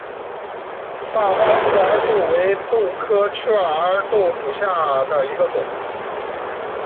大花雀儿豆为豆科雀儿豆属下的一个种。